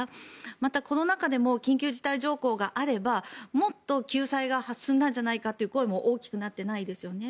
また、コロナ禍でも緊急事態条項があればもっと救済が進んだんじゃないかという声も大きくなってないですよね。